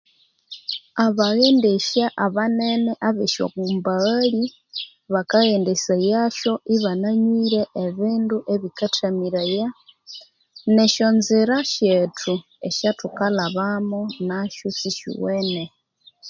Abaghendesya abanene abesyangumbaghali bakaghendesayasyo ibananywire ebindu ebikathamiraya nesyo nzira syethu esyathukalhabamu nasyo sisiwene